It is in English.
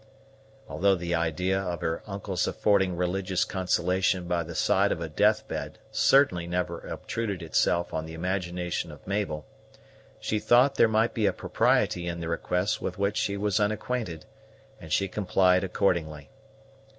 Although the idea of her uncle's affording religious consolation by the side of a death bed certainly never obtruded itself on the imagination of Mabel, she thought there might be a propriety in the request with which she was unacquainted, and she complied accordingly.